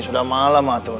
sudah malam atuh